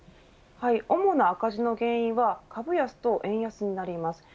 主な赤字の原因は株安と円安になります。